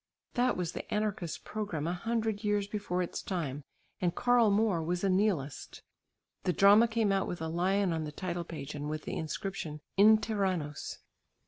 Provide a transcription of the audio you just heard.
That was the anarchists' programme a hundred years before its time, and Karl Moor was a nihilist. The drama came out with a lion on the title page and with the inscription "In Tyrannos."